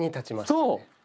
そう。